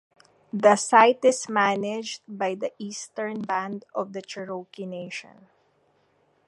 The site is managed by the Eastern Band of the Cherokee Nation.